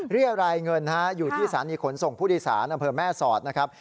เรียรายเงินอยู่ที่สานิขนส่งพุทธศาสตร์อเผลอแม่สอดนะครับ